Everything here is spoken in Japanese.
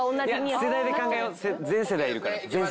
世代で考えよう全世代いるから。